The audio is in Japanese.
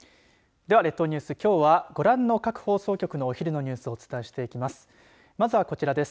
では列島ニュースきょうはご覧の各放送局のお昼のニュースをお伝えしていきます。